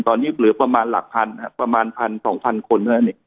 ตอนนี้เป็นประมาณหลักพันธุ์ประมาณพันสองพันคน